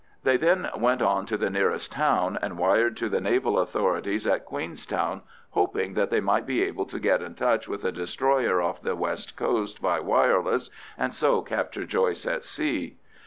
They then went on to the nearest town, and wired to the naval authorities at Queenstown, hoping that they might be able to get in touch with a destroyer off the west coast by wireless, and so capture Joyce at sea.